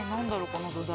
この土台。